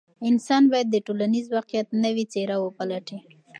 انسان باید د ټولنیز واقعیت نوې څېره وپلټي.